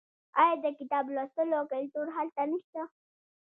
آیا د کتاب لوستلو کلتور هلته نشته؟